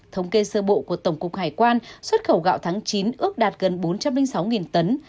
thống kê sơ bộ của tổng cục hải quan xuất khẩu gạo tháng chín ước đạt gần bốn trăm linh sáu tấn